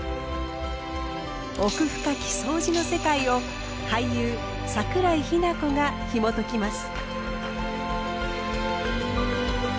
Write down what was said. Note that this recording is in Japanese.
奥深きそうじの世界を俳優桜井日奈子がひもときます。